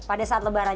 pada saat lebaran